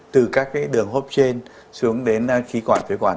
từ các đường hốp trên xuống đến khí quản phế quản